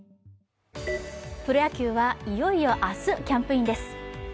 プロ野球はいよいよ明日、キャンプインです。